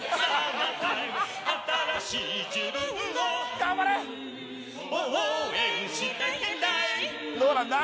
頑張れ！どうなんだ？